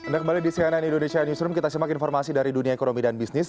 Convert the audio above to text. dan kembali di cnn indonesia newsroom kita semak informasi dari dunia ekonomi dan bisnis